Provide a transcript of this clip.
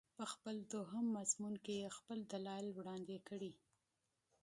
په خپل دوهم مضمون کې یې خپل دلایل وړاندې کړي.